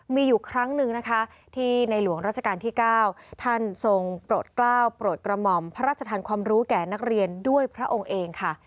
มีอยู่ครั้งหนึ่งนะคะที่ในหลวงราชการที่๙ท่านทรงโปรดกล้าวโปรดกระหม่อมพระราชทานความรู้แก่นักเรียนด้วยพระองค์เองค่ะ